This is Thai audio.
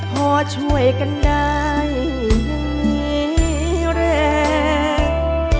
พอช่วยกันได้มีแรง